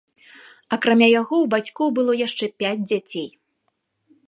Акрамя яго, у бацькоў было яшчэ пяць дзяцей.